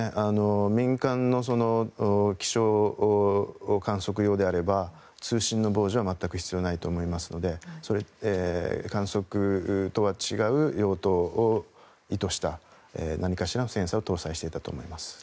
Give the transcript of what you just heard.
民間の気象観測用であれば通信の傍受は全く必要ないと思いますので観測とは違う用途を意図した何かしらのセンサーを搭載していたと思います。